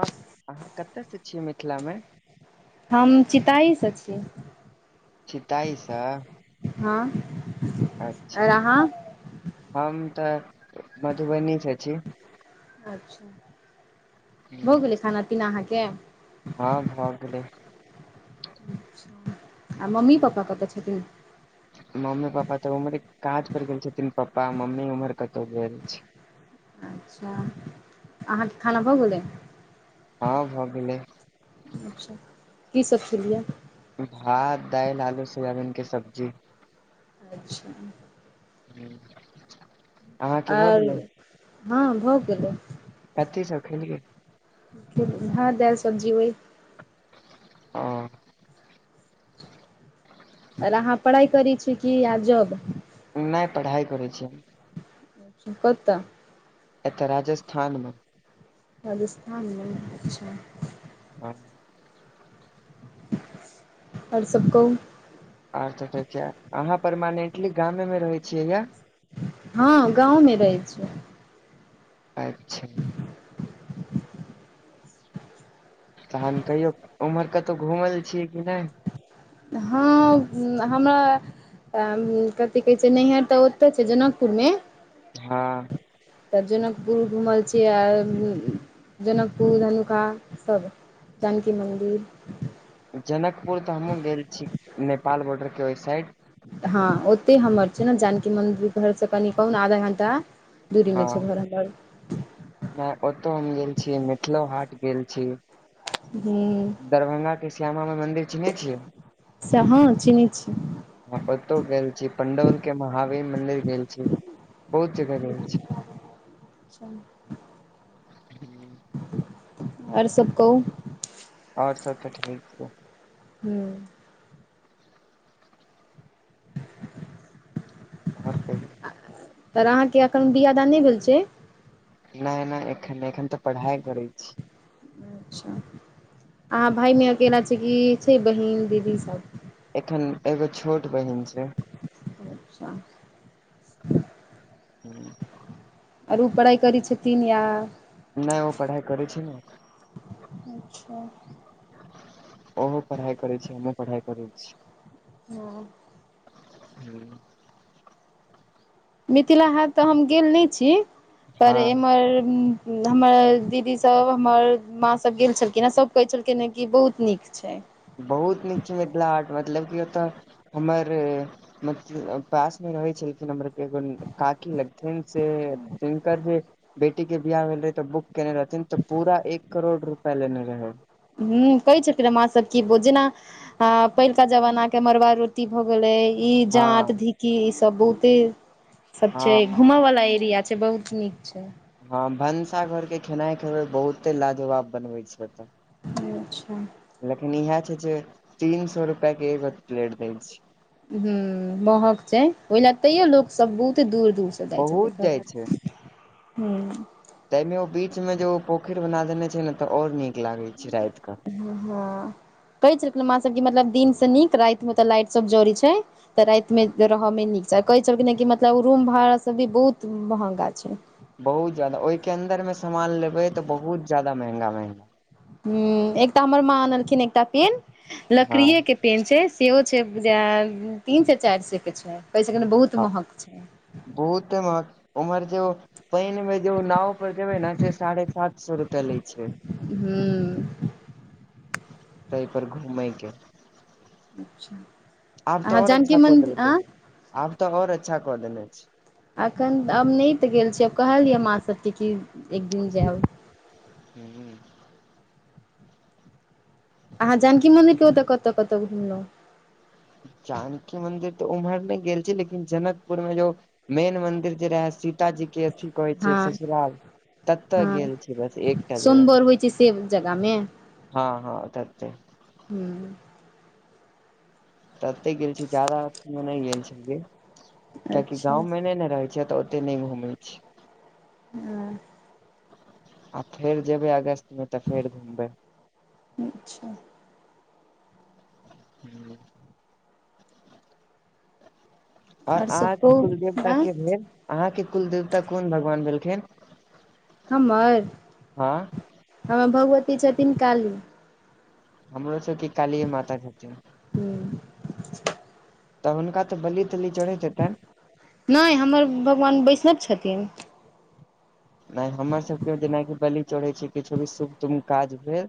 हँ अहाँ कतयसँ छियै मिथिलामे हम चिताइसँ छी चिताइस हँ अच्छा आओर अहाँ हम तऽ मधुबनीसँ छी अच्छा भऽ हूँ, गेलै खाना पीना अहाँके हँ भ गेलै आ मम्मी पप्पा कतऽ छथिन मम्मी पापा तऽ उम्हरे काज पर गेल छथिन पापा मम्मी उम्हर कतौ गेल छै अच्छा अहाँके खाना भऽ गेलै हँ भ गेलै अच्छा की सब खेलिए भात दैल आलू सोयाबीनके सब्जी अच्छा [unintelligible] [inaudible] आर गेलै हँ भऽ गेलै कथि सब खेलियै भात दाईल सब्जी वहि अ आओर अहाँ पढ़ाइ करै छी की या जॉब नहि पढ़ाइ करै छियै कत एतऽ राजस्थानमे राजस्थानमे अच्छा ह आओर सबकहु आओर त [unintelligible] कहिय अहाँ परमानेंटली गामेमे रहैत छियै या हँ गाँवमे रहै छी अच्छा तहन कहियो ओम्हर कतहु घुमल छियै कि नहि हँ हमरा तऽ कथि कहै छै, नैहर तऽ ओते छै, जनकपुरमे हँ। तऽ जनकपुर घुमल छियै आ जनकपुर धनुखा सभ जानकि मन्दिर जनकपुर तऽ हमहुँ गेल छी नेपाल बॉर्डरके ओहि साइ। हँ, ओतहि हमर छै, ने जानकी मन्दिर घर सँ कनि कहू ने आधा घण्टा। दूरी हँ मे छै घर नहि ओतौ हम गेल छियै मिथिलो हाट गेल छी। हूँ दरभंगा श्यामा माइ मन्दिर चिन्है छियै। से हँ चिन्है छी ओतौ गेल छी, पंडौल के महावीर मंदिर गेल छी, बहुत जगह गेल छै। अच्छा। हूँ। आओर सभ कहू। आओर सभ तऽ ठीक छै। हूँ। आरै तर अहाँकेँ एखन बिआदान नहि भेल छै। नहि, नहि एखन नहि एखन तऽ पढ़ाइ करै छै। अच्छा अहाँ भायमे अकेला छै कि छै बहिन दीदी सभ। एखन एगो छोट बहिन छै। अच्छा। ह। आरू पढ़ाइ करैत छथिन या नहि ओ पढ़ाइ करै छै, न। अच्छा। ओहो पढ़ाइ करै छै हमहुँ पढ़ाइ करै छै। हूँ। हूँ। मिथिलाहाट तऽ हम गेल नहि छै पर हँ एम्हर हमर दीदी सभ हमर माँ सभ गेल छलखिन हेँ सभ कहै छलखिन हँ कि बहुत निक। ठीक छै। बहुत निक छै, मिथिलाहार मतलब कि ओतय हमर। मतलब पास मे रहै छलखिन हमर एगो काकी लगथिन से। तऽ हिनकर जे बेटीके बियाह भेलै तऽ बुक। केने रहथिन तऽ पूरा एक करोड़ रुपया लेने रहै। हूँ, कहै छथिन माँ सभ कि भो जना आ पहिल का जमाना के मरबा रोटी भऽ गेले ई जात हँ ढिकी ई सभ बहुते सभ छै हँ घूमय वाला एरिया छै बहुत निक छै। हँ, भनसा घरके खेनाइ खेबै बहुते लाजवाब बनबैत छै। ओतऽ अच्छा। लेकिन इहे छै, जे तीन सौ रुपया के एगो प्लेट दे छै। हँ, माहक छै, ओहि लए तैयो लोक सभ बहुते दूर दूर से जाइ छै बहुत देख जाइ ल छै हू। ताहिमे ओ बीचमे जे ओ पोखरि बना देने छै, ने तऽ आओर नीक लागैत छै राति कऽ हँ कहै छलखिन म सबके मतलब दिन से नीक राति मे तऽ लाइट सब जड़ै छै तऽ रातिमे रहऽमे नीक छै कहै छलखिन ने कि मतलब रूम भाड़ा सब भी बहुत महंगा छै बहुत जादा ओहिके अन्दरमे सामान लेबै तऽ बहुत जादा महंगा महंगा हँ एकटा हमर माँ आनलखिन एकटा पेन लकड़िए हँ के पेन छै सेहो छै तीन से चारि सौ के छै ओय स कने बहुत महक छै बहुते मह उमहर जे पानि मे जो नाव र जेबै ने से साढ़े सात सौ रुपया लै छै हँ तहि पर घूमे के आब तऽ अहाँ आओर जानकी अच्छा कऽ मन्दिर देलकै आँ आब तऽ और अच्छा कऽ देने छै एखन आब नहि तऽ गेल छी आब कहलियै माँ सभके कि एक दिन जायब हू अहाँ जानकी मन्दिर के ओतऽ कतहु कतहु घुमलहुँ जानकी मंन्दिर तऽ उम्हर नहि गेल छी लेकिन जनकपुर मे जो मेन मन्दिर जे रहै सीताजीे अथी कहैत छै हँ ससुराल तत्तऽ हँ गेल छी बस एकटा जगह सोमबर होइ छै से जगहमे हँ हँ ततै हूँ तऽ ओते गेल छी जादा अ मे नहि गेल छियै कियकि अच्छा गाँव मे नहि ने रहै छिय तऽ नहि घुमै छी हँ आ फेर जेबै अगस्त मे तऽ फेर घुमबै अच्छा हू और आर सब अहाँके कुल कहु देवता आँ के भेल अहा के कुल देवता कोन भगवान भेलखिन हमर हँ हमर भगवती छथिन काली हमरो सभके कालीये माता छथिन हू तऽ हुनका तऽ बली तली चढ़ैत हेतैन नहि हमर भगवान बैष्णव छथिन नहि हमर सभके जेनाकि बलि चढ़ै छै किछो भी शुभ तुभ काज भेल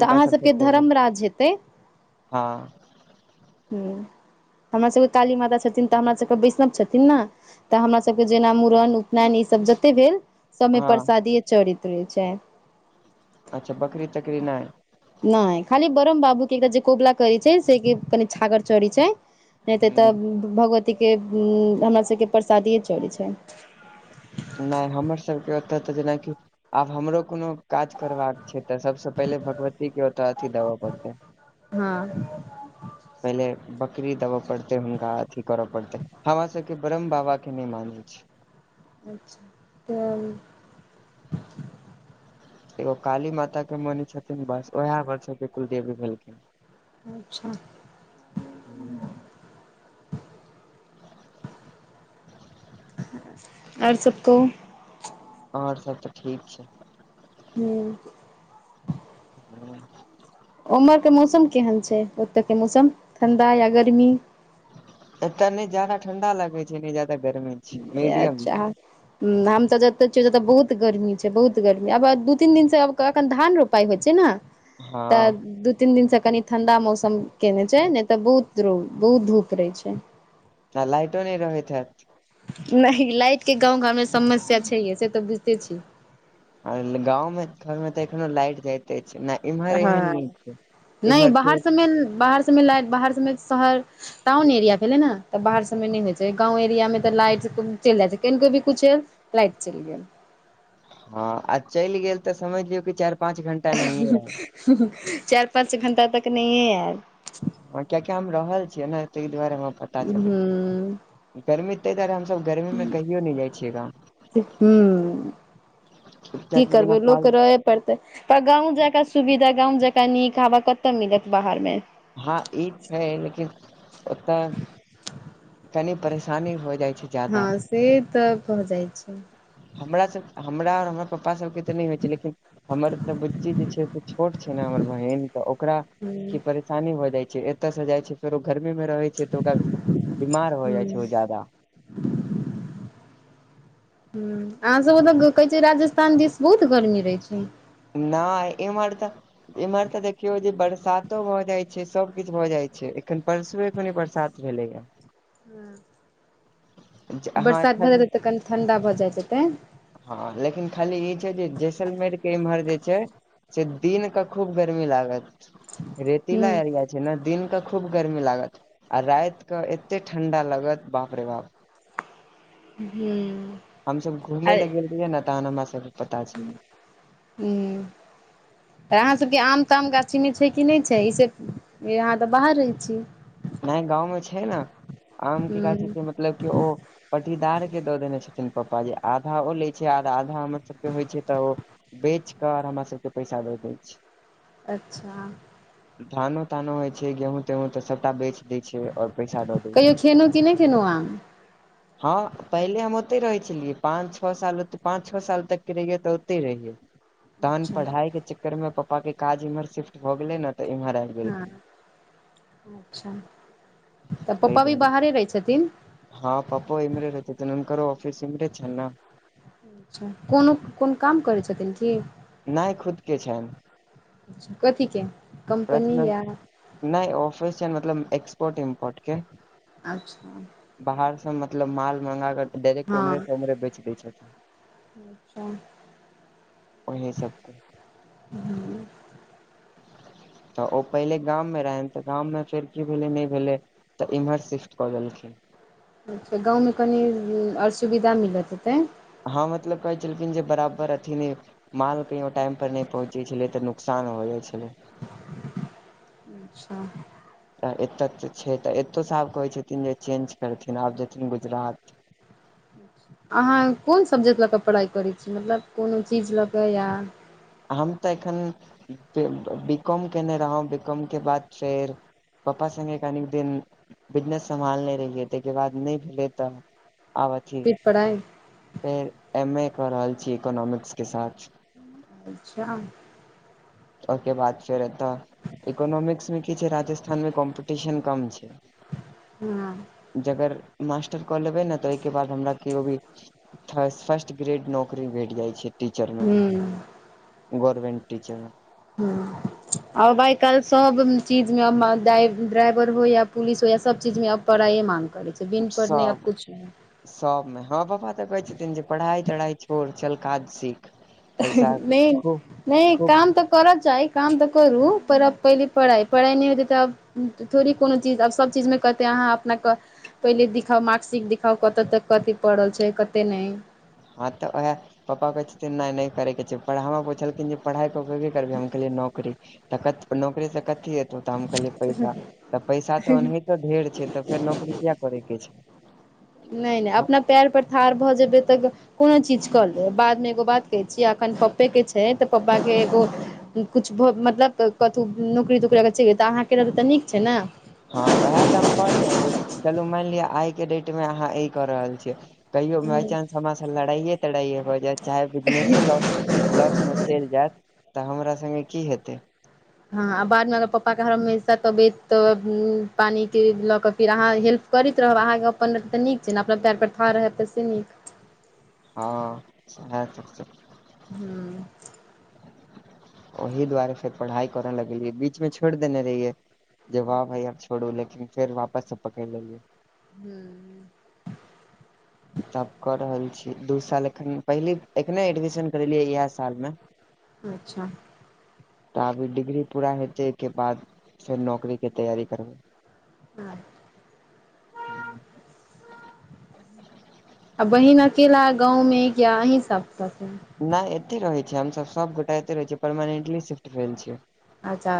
तऽ अहाँ सबसँ सभके पहिले धर्म राज हेतै हँ [inaudible] हमर सभके काली माता छथिन तऽ हमर सभके वैष्णव छथिन न तऽ हमरासभके जेना मूड़न उपनयन ईसभ जतेक भेल सभमे हँ प्रसादी चढैत रहैत छथि अच्छा बकरी तकरी नहि नहि खाली ब्रह्म बाबू के एकटा जे कबुला करै छै से के कनि छागर चढ़ैत छै नहि तऽ तऽ ह भगवतीके हमरा सभके प्रसादिए चड़ै छै नहि हमर सभके ओतऽ तऽ जेनाकि आब हमरो कोनो काज करबाक तऽ सबसँ पहिले भगवतीके ओतऽ अथी देबऽ पड़तै हँ पहिले बकरी देबय पड़तै हुनका अथी करय पड़तै हमर सबके ब्रह्म बाबा के नहि मानै छी अच्छा तऽ एगो काली माता के मन छेथिन बस उएह मे छेथिन कुलदेवी बनिके अच्छा हूँ आउर सब कहु आउर सब तऽ ठीक छै हू हॅं उमहर के मौसम केहन छै ओतय के मौसम ठण्डा या गर्मी एतऽ नहि ज्यादाा ठंडा लगै छै नहि ज्यादा गर्मी छै मीडियम अच्छा हम तऽ जते [unintelligible] जऽ बहुत गर्मी छै बहुत गर्मी अब दू तीन दिन से अखन धान रो पाय हो छै ने हँ तऽ दू तीन दिनसँ कनि ठण्डा मौसम केने छै नहि तऽ बहुत द्रू बहुत धूप रहै छै न लाइटो नहि रहैत हेत नहि लाइट के गाँंव घरमे समस्या छै ये से तऽ बुझिते छीये अल गांव घर में तऽ एखनो लाइट जाय अइछ नहि इमहर एहन नीक छै इमहर त मेन [unintelligible] बाहर सभमे लाइट बाहर सभमे शहर टाउन एरिया भेलै ने तऽ बाहर सभमे नहि होइ छै गाँव एरिया मे तऽ लाइट चलि जाइ छै कनिको भी कुछ लाइट चलि गेल हँ आ चलि गेल तऽ समझलियौ कि चारि पाँंच घंटा नहिये चारि पाँच घण्टा तक नहिए आयल हँ कियकि हम रहल छियै ने ताहि दुआरे हम हूं गर्मी ताहि दुआरे हमसब गर्मीमे कहियो नहि जाइ छियै गाम हू च द [unintelligible] ना फाल परतै त गाँंव जका सुविधा गांव जका नीक हवा कतऽ मिलति बाहर मे हँ ई छै लेकिन ओतऽ तनी परेशानी हो जाइ छै ज्यादा हँ से तऽ भऽ जाई छै हमरा सब हमरा पापा सबके तऽ नहि होइ छै लेकिन हमर तऽ बुच्ची जे छै से छोट छै ने हमर बहिन तऽ ओकरा की हूँ परेशानी हो जाय छै एतय से जाय छै फेरो गर्मी मे रहे छै तऽ ओ बीमार हो जाई छै हूँ ओ जादा हूं अहाँ सब ओतऽ कहै छै राजस्थान दिस बहुत गर्मी रहै छै नए इमहर त एम्हर तऽ देखियौ जे बरसातो भऽ जाइ छै सब किछ भऽ जाइ छै एखन परसुए भेलै बरसात भेलैया हँ ज- अहाँ बरसात भऽ एखन जाय तब त कनि ठण्डा भऽ जाइत हेतै हँ लेकिन खाली ई छै जे जैसलमेर के इम्हर जे छै से दिन क खूब गरमी लागत रेतीला हूँ एरिया छै ने दिन क खूब गर्मी लागत आ राति के एते ठंडा लागत बाप अरे बाप हूँ हमसब घुमै आ लए गेल रहियै न ता हमरा सबके पता छै हूँ तऽ अहाँ सभके आम ताम गाछी में छै कि नय छै ई से अहाँ तऽ बाहर रहै छि नय गाँव में छै ने आम के गाछी हूँ मतलब मतलब केओ पटीदार के दऽ देने छथिन पापा जे आधा ओ ले छय आर आधा हमर सबके होइ छै तऽ ओ बेच कऽ आर हमर सबके पैसा दऽ दै छै अच्छा धानो तानो होइ छै गेहूँ तेहूँ तऽ सबटा बेच दै छै और पैसा दऽ दै कहियो खेेलउ कि नय खेेलहु आम हँ पहिले हम ओतइ रहै छलियै पाँच छओ साल पाँच छओ साल तकके रहियै तऽ ओतइ रहियै तहन अच्छा पढ़ाई के चक्कर में पपा के काज इम्हर शिफ्ट भऽ गेलय न हँ अच्छा तऽ ताहि पापा भी दुआरे बाहरे रहै छथिन हँ पप्पो इमहरे रहय छथीन हुनकरो ऑफिस इमरे छै ने अच्छा कोनो कोन काम करै छथिन की नहि खुद के छनि कथी के कम्पनी या नय ऑफिस छै मतलब एक्सपोर्ट इम्पोर्ट के अच्छा बाहरसँ मतलब माल मँंगा कऽ डायरेक्ट हँ उम्हरेसँ उम्हरे बेच दै छथिन अच्छा ओही सबके हूँ तऽ ओ पहिले गाममें रहनि तऽ गाममें फेर की भेलै नय भेलै तऽ एम्हर शिफट कऽ देलखिन अच्छा गाँव में कनि ओर सुविधा मिलत हेतै हँ मतलब कहै छलखिन जे बराबर अथी नय माल कहियो टाइम पर नय पहुँचै छलै त न नुकसान हो जाइ छलय अच्छा तऽ एतऽ तऽ छै तऽ एतौ स आब कहै छथिन जे चेंज करथिन आब जेथिन गुजरात अहाँ कोन सब्जेक्ट लऽ कऽ पढ़ाइ करै छी मतलब कोनो चीज लऽ कऽ या हम तऽ एखन बे बीकॉम केने रहौ बीकॉम के बाद फेर पप्पा संगे कनि दिन बिजनेस सम्हालने रहियै ता हिके बाद नय भेलय तऽ आब अथी फिर पढ़ाइ फेर एम ए कऽ रहल छी इकोनोमिक्सके साथ अच्छा ओके बात फेर एतऽ इकोनोॉमिक्स में की छै राजस्थान में कॉम्पटिशन कम छै हं जगर मास्टर कऽ लेबै ने तऽ ओइके बाद हमरा केओ भी थ फर्स्ट ग्रेड नौकरी भेट जाइ छै टीचर में गोर्मेन्ट टीचर में हँ अब आइ काल्हि सब चीज में ड्राइवर हो या पुलिस हो या सब चीज में अब पढ़ाइए माँग करै छै बिन पढ़ने आब सब कुछ नै सबमे हम पपा तऽ कहै छथिन जे पढ़ाई तढ़ाई छोड़ चल काज सीख पैसा नइ खूब नइ खूब काम तऽ करत चाइ काम तऽ करू पर अब पहिले पढ़ाइ पढ़ाइ नय होतै तऽ आब थोड़ी कोनो चीज आब सभचीजमे कहतै अहाँ अपन कऽ पहिले दिखाउ मार्क सिकट दिखाउ कतऽ तक कथे पल छै, कते नहि हँ, तऽ उएह पापा कहैत छथिन, नहि करय के छै, पढ़ हमरा पुछलखिन जे पढ़ाई के उपयोगी करबह हम कहलियै नौकरी तऽ नौकरी से की एतौ आत हम कहलियै पैसा तऽ पैसा तऽ ओनाहितो ढेर छै, तऽ फेर नौकरी किया करे के छै। नहि, नहि अपना पेर पर ठाढ़ भऽ जेबै तऽ कोनो चीज कऽ लेब बादमे एगो बात कहै छियै, एखन पप्पो के छै, तऽ पप्पा के एगो कुछ भ मतलब कतहु नौकरी तकरी अगर छैलतै अहाँकेँ रहतई तऽ निक छै ने हँ, उएह तऽ हम कहलियैनि जे चलू मानि लिआ आइ के डेट मे अहाँ ई कऽ रहल छियै। कइयो बाइ ने चानंस हमरा सँ लड़ाइयए तड़ाइए हो जायत चाहे बिजनेसे लॉस मे चलि जायत तऽ हमरा संगे कि हेतै हँ, आ बादमे अगर पप्पाके हर हमेशा तबियत तऽ पानिके लऽ कऽ फेर अहाँ हेल्प करैत रहब अहाँकेँ अपन रह तऽ निक छै ने अपना पएर प्रथा रहब तऽ से निक हँ, सएहा सभ। हू। ओहि दुआरे फेर पढ़ाइ करऽ लगलियै बीचमे छोड़ देने रहियै। जब भइयब छोड़ू लेकिन फेर वापस सभ पकड़ लेए हू। तब कऽ रहल छी दू साल एखन पहिले एखने एडमिशन करेलियै इएह सालमे। अच्छा। तऽ आब ई डिग्री पूरा हेतै बाद फेर नौकरी के तैयारी करबै हँ। [inaudible] आ बहिन अकेला गामे या अही सभ संगे नहि एते रहै छै, हमसभ सभगोटा एते रहै छियै, परमानन्टली शिफ्ट भेल छियै। अच्छा।